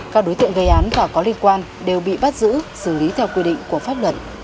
các đối tượng gây án và có liên quan đều bị bắt giữ xử lý theo quy định của pháp luật